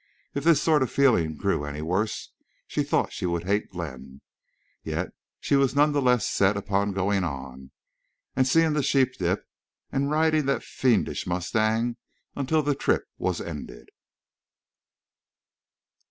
If this sort of feeling grew any worse she thought she would hate Glenn. Yet she was nonetheless set upon going on, and seeing the sheep dip, and riding that fiendish mustang until the trip was ended.